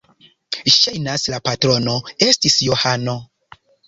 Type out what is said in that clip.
Ŝajnas, la patrono estis Johano.